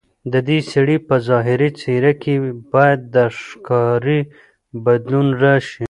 ددې سړي په ظاهري څېره کې باید د ښکاري بدلون راشي.